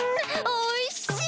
おいしい！